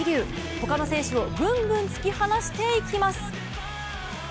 他の選手をぐんぐん突き放していきます。